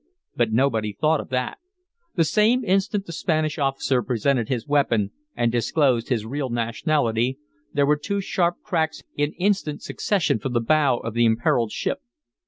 But nobody thought of that; the same instant the Spanish officer presented his weapon and disclosed his real nationality, there were two sharp cracks in instant succession from the bow of the imperiled ship.